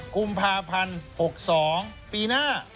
กุมภาพันธ์๖๒ปีหน้า